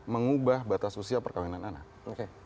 mengubah batas usia perkawinan anak